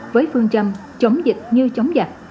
với phương châm chống dịch như chống giặc